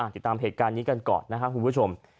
ติดตามเหตุการณ์นี้กันก่อนนะครับคุณผู้ชม